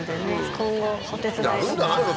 今後お手伝いがやるんじゃないの？